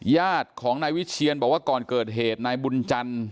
ญาติของนายวิเชียนบอกว่าก่อนเกิดเหตุนายบุญจันทร์